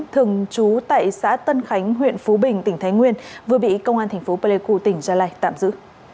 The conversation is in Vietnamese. thường trú tại xã tân khánh huyện phú bình tỉnh thái nguyên vừa bị công an tp plq tỉnh gia lai tạm giữ